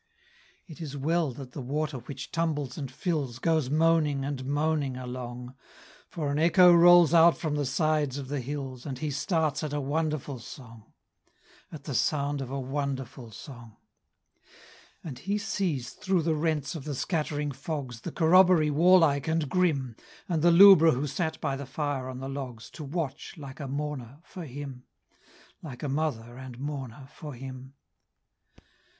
It is well that the water which tumbles and fills, Goes moaning and moaning along; For an echo rolls out from the sides of the hills, And he starts at a wonderful song At the sound of a wonderful song. And he sees, through the rents of the scattering fogs, The corroboree warlike and grim, And the lubra who sat by the fire on the logs, To watch, like a mourner, for him Like a mother and mourner for him.